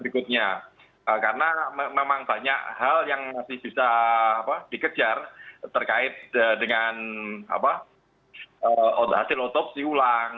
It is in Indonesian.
karena memang banyak hal yang masih bisa dikejar terkait dengan hasil otopsi ulang